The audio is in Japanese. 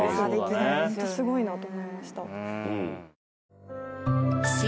ホントすごいなと思いました。